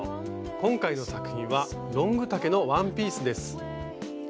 今回の作品はロング丈のワンピースです。